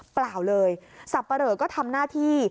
เปล่าเลยสับปะเหลอก็ทำหน้าที่